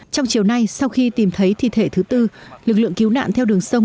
trong chiều nay sau khi tìm thấy thi thể thứ tư lực lượng cứu nạn theo đường sông